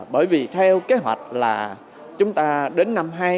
bởi vì theo kế hoạch là chúng ta đến năm hai nghìn hai mươi